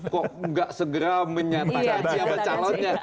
kok nggak segera menyatakan siapa calonnya